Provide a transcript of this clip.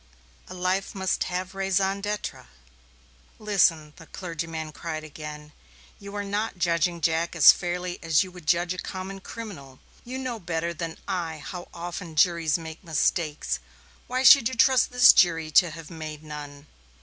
A life must have a raison d'être." "Listen," the clergyman cried again. "You are not judging Jack as fairly as you would judge a common criminal. You know better than I how often juries make mistakes why should you trust this jury to have made none?"